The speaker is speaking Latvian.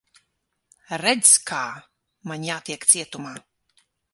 Redz, kā. Man jātiek cietumā.